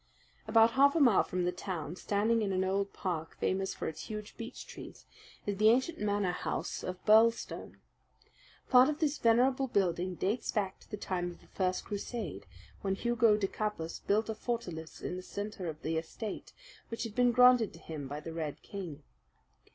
About half a mile from the town, standing in an old park famous for its huge beech trees, is the ancient Manor House of Birlstone. Part of this venerable building dates back to the time of the first crusade, when Hugo de Capus built a fortalice in the centre of the estate, which had been granted to him by the Red King.